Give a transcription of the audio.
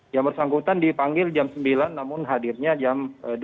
yang bersangkutan dipanggil jam sembilan namun hadirnya jam delapan